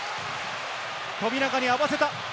富永に合わせた。